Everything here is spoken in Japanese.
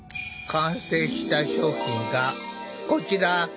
完成した商品がこちら！